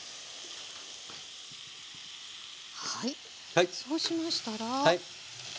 はいそうしましたら。